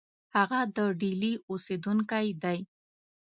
هغه د ډهلي اوسېدونکی دی.